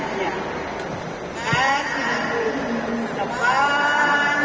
betul betul memudihkan pegawai